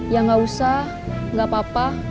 ya gak usah gak apa apa